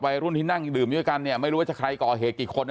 วัยรุ่นที่นั่งดื่มด้วยกันเนี่ยไม่รู้ว่าจะใครก่อเหตุกี่คน